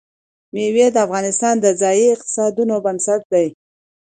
مېوې د افغانستان د ځایي اقتصادونو بنسټ دی.